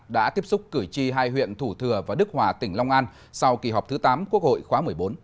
đã tiếp xúc cử tri hai huyện thủ thừa và đức hòa tỉnh long an sau kỳ họp thứ tám quốc hội khóa một mươi bốn